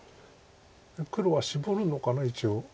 黒はシボるのかな一応。